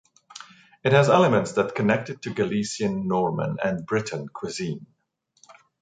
It has elements that connect it to Galician, Norman and Breton cuisine.